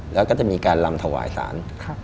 แล้วก็จะมีการลำถวายสาร